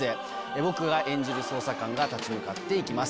僕が演じる捜査官が立ち向かって行きます。